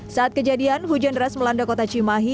saat kejadian hujan deras melanda kota cimahi